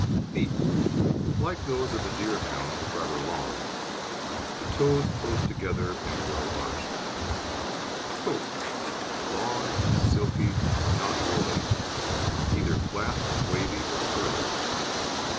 FEET Like those of the Deerhound, rather long. The toes close together and well arched. COAT Long, silky, not woolly; either flat, wavy, or curly.